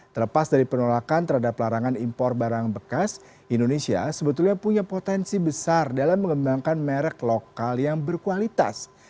terlepas dari penolakan terhadap larangan impor barang bekas indonesia sebetulnya punya potensi besar dalam mengembangkan merek lokal yang berkualitas